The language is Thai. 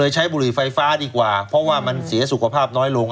ใช้บุหรี่ไฟฟ้าดีกว่าเพราะว่ามันเสียสุขภาพน้อยลง